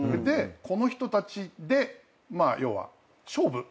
この人たちで要は勝負したい。